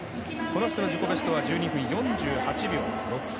自己ベストは１２分４８秒６３。